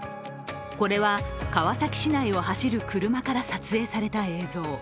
これは、川崎市内を走る車から撮影された映像。